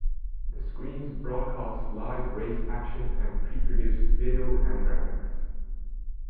The screens broadcast live race action and pre-produced video and graphics.